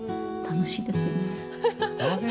楽しいですよね。